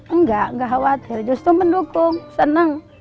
enggak enggak khawatir justru mendukung senang